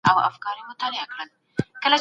ډیپلوماټان د سولي په خبرو کي څه غواړي؟